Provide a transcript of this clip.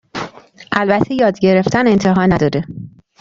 البته یادگرفتن انتها نداره.